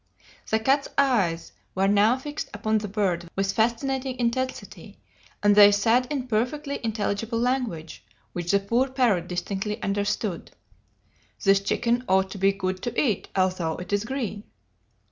The cat's eyes were now fixed upon the bird with fascinating intensity, and they said in perfectly intelligible language, which the poor parrot distinctly understood, 'This chicken ought to be good to eat, although it is green.'